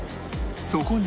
そこに